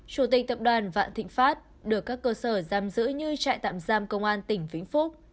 chủ tịch tập đoàn vạn thịnh pháp được các cơ sở giam giữ như trại tạm giam công an tỉnh vĩnh phúc